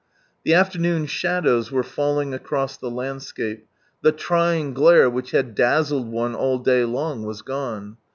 The afternoon shadows were failing across the landscape ; the trying glare, which had dazzled one all day long, was gone.